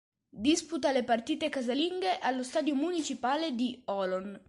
Disputa le partite casalinghe allo Stadio municipale di Holon.